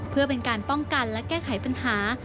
เพื่อเป็นการป้องกันและแก้ไขปัญหา